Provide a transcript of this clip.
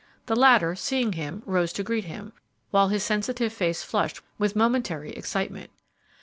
The latter, seeing him, rose to greet him, while his sensitive face flushed with momentary excitement.